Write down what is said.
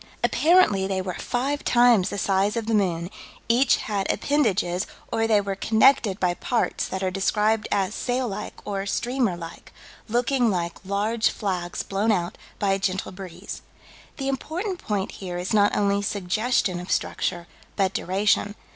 Apparently they were five times the size of the moon: each had appendages, or they were connected by parts that are described as "sail like or streamer like," looking like "large flags blown out by a gentle breeze." The important point here is not only suggestion of structure, but duration.